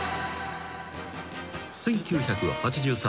［１９８３年］